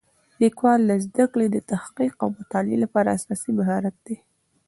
لیکوالی د زده کړې، تحقیق او مطالعې لپاره اساسي مهارت دی.